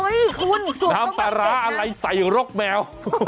โอ้โฮคุณสุดท้องมากเก็บนะน้ำปลาร้าอะไรใส่รกแมว